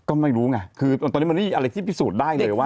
ก็ไม่รู้ไงคือตอนนี้มันไม่มีอะไรที่พิสูจน์ได้เลยว่า